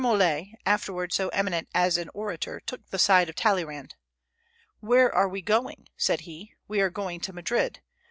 M. Molé, afterward so eminent as an orator, took the side of Talleyrand. "Where are we going?" said he. "We are going to Madrid.